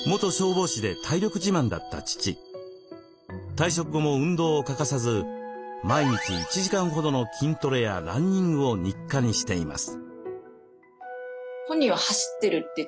退職後も運動を欠かさず毎日１時間ほどの筋トレやランニングを日課にしています。